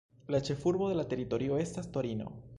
La ĉefurbo de la teritorio estas Torino.